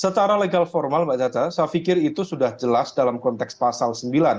secara legal formal mbak caca saya pikir itu sudah jelas dalam konteks pasal sembilan